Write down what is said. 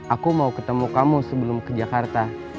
aku mau ketemu kamu sebelum ke jakarta